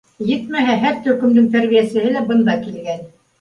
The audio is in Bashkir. Етмәһә, һәр төркөмдөң тәрбиәсеһе лә бында килгән.